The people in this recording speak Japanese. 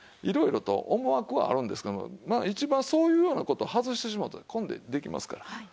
いろいろと思惑はあるんですけどもまあ一番そういうような事を外してしまうとこれでできますから。